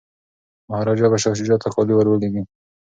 مهاراجا به شاه شجاع ته کالي ور لیږي.